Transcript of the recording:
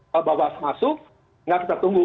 kalau bawas masuk tidak tertunggu